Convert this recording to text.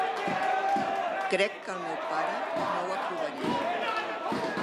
Crec que el meu pare no ho aprovaria